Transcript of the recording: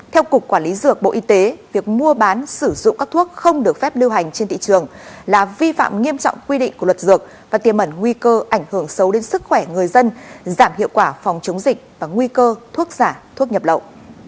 theo cục quản lý dược bộ y tế việc mua bán sử dụng các thuốc không được phép lưu hành trên thị trường là vi phạm nghiêm trọng quy định của luật dược và tiềm ẩn nguy cơ ảnh hưởng xấu đến sức khỏe người dân giảm hiệu quả phòng chống dịch và nguy cơ thuốc giả thuốc nhập lậu